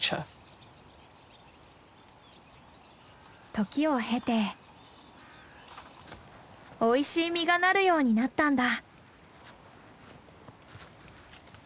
時を経ておいしい実がなるようになったんだ。